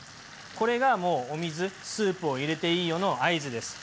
これがもうお水スープを入れていいよの合図です。